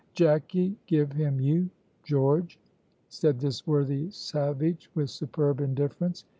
"Jacky give him you, George," said this worthy savage, with superb indifference.